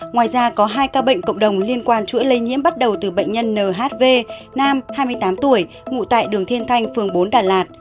ngoài ra có hai ca bệnh cộng đồng liên quan chuỗi lây nhiễm bắt đầu từ bệnh nhân nhv nam hai mươi tám tuổi ngụ tại đường thiên thanh phường bốn đà lạt